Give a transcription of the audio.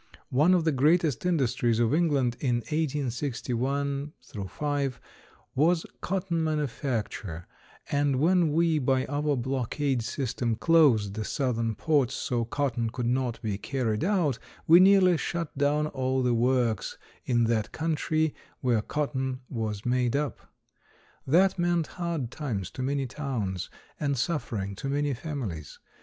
One of the greatest industries of England in 1861 5 was cotton manufacture, and when we, by our blockade system, closed the southern ports so cotton could not be carried out, we nearly shut down all the works in that country where cotton was made up. That meant hard times to many towns and suffering to many families.